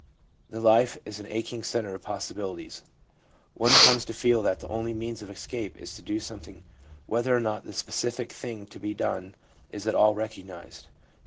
The life is an aching centre of possibilities. One comes to feel that the only means of escape is to do something, whether or not the specific thing to be done is at all recognised.